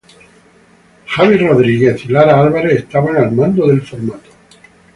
Xavi Rodríguez y Lara Álvarez estaban al mando del formato.